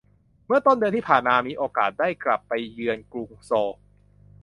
เมื่อต้นเดือนที่ผ่านมามีโอกาสได้กลับไปเยือนกรุงโซล